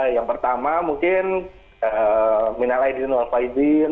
yang pertama mungkin minalai di rumah pak izin